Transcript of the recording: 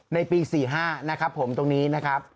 ในปี๔๕นะครับผมตรงนี้นะครับ